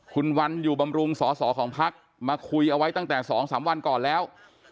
คุณวันอยู่บำรุงสอสอของพักมาคุยเอาไว้ตั้งแต่๒๓วันก่อนแล้ว